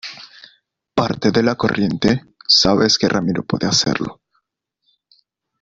parte de la corriente, sabes que Ramiro puede hacerlo.